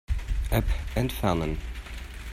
App entfernen.